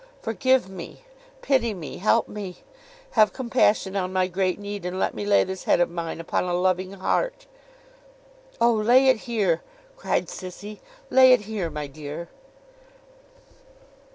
'Forgive me, pity me, help me! Have compassion on my great need, and let me lay this head of mine upon a loving heart!' 'O lay it here!' cried Sissy. 'Lay it here, my dear.